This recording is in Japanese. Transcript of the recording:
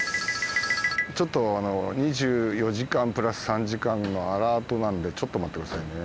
ちょっと２４時間プラス３時間のアラートなんでちょっと待ってくださいね。